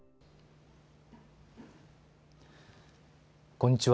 こんにちは。